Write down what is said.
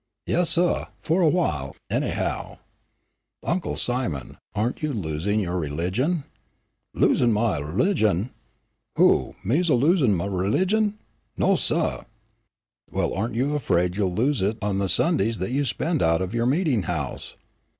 "Yes, suh, fu' a while, anyhow." "Uncle Simon, aren't you losing your religion?" "Losin' my u'ligion? Who, me losin' my u'ligion! No, suh." "Well, aren't you afraid you'll lose it on the Sundays that you spend out of your meeting house?"